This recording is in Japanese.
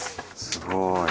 すごい！